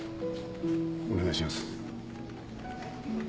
お願いします。